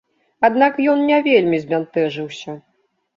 Аднак ён не вельмі збянтэжыўся.